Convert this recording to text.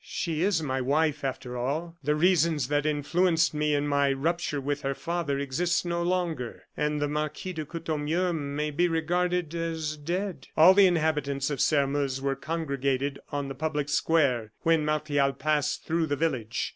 she is my wife, after all. The reasons that influenced me in my rupture with her father exist no longer, and the Marquis de Courtornieu may be regarded as dead." All the inhabitants of Sairmeuse were congregated on the public square when Martial passed through the village.